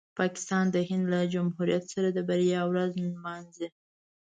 پاکستان د هند له جمهوریت سره د بریا ورځ نمانځي.